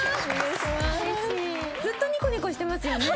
ずっとニコニコしてますよね。